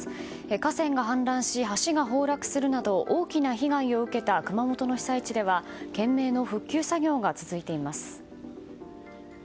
河川が氾濫し橋が崩落するなど大きな被害を受けた熊本の被災地では懸命の復旧作業が続いています。